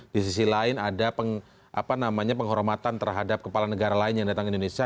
di sisi lain ada penghormatan terhadap kepala negara lain yang datang ke indonesia